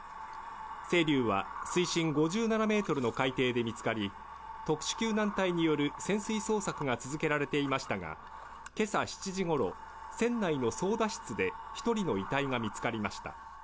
「せいりゅう」は水深５７ｍの海底で見つかり、特殊救難隊による潜水捜索が続けられていましたが今朝７時ごろ、船内の操舵室で１人の遺体が見つかりました。